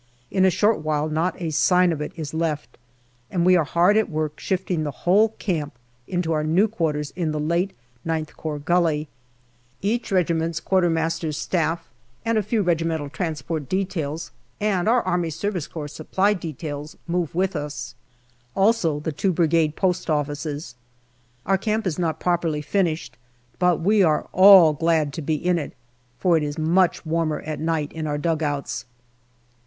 In a short while not a sign of it is left, and we are hard at work shifting the whole camp into our new quarters in the late IX Corps Gully. Each regiment's Q.M.'s staff, and a few regimental transport details and our A.S.C. Supply details move with us. Also the two Brigade post offices. Our camp is not properly finished, but we are all glad to be in it, for it is much warmer at night in our dugouts.